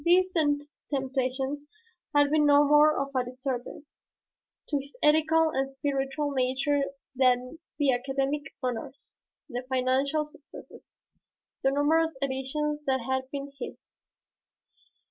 These temptations had been no more of a disturbance to his ethical and spiritual nature than the academic honors, the financial successes, the numerous editions that had been his.